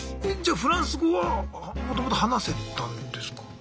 えじゃあフランス語はもともと話せたんですか？